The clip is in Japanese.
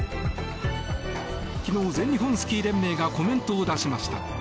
昨日、全日本スキー連盟がコメントを出しました。